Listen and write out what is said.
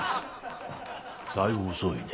だいぶ遅いね。